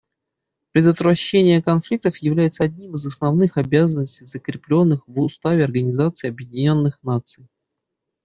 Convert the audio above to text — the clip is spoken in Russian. Предотвращение конфликтов является одним из основных обязанностей, закрепленных в Уставе Организации Объединенных Наций.